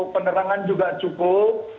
penerangan juga cukup